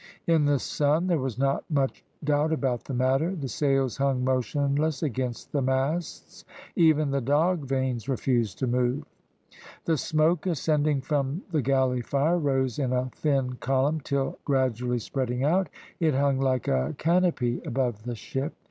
In the sun there was not much doubt about the matter. The sails hung motionless against the masts; even the dog vanes refused to move. The smoke ascending from the galley fire rose in a thin column, till, gradually spreading out, it hung like a canopy above the ship.